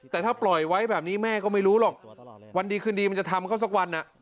แต่ถ้าปล่อยไว้แบบนี้แม่ก็ไม่รู้หรอกวันดีคืนดีมันจะทำเขาสักวัน